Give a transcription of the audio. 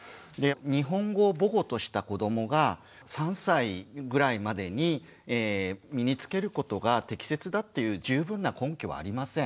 日本語を母語とした子どもが３歳ぐらいまでに身につけることが適切だっていう十分な根拠はありません。